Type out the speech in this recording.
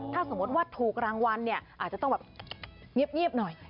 ถ้าสมมุติว่าถูกรางวัลอาจจะต้องเงียบหน่อย